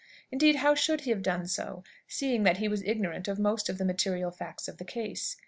Indeed, how should he have done so, seeing that he was ignorant of most of the material facts of the case?